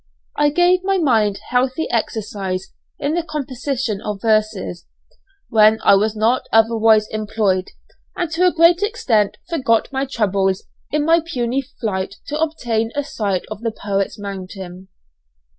I gave my mind healthy exercise in the composition of verses, when I was not otherwise employed, and to a great extent forgot my troubles in my puny flight to obtain a sight of the poets' mountain.